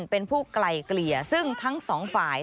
เป็นผู้ไกลเกลี่ยซึ่งทั้งสองฝ่าย